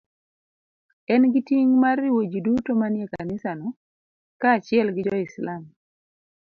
En gi ting' mar riwo ji duto manie kanisano kaachiel gi joislam.